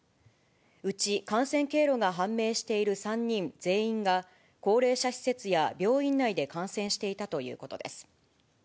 うち感染経路が判明している３人全員が、高齢者施設や病院内で感染していたということです。